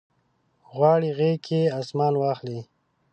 غواړي غیږ کې اسمان واخلي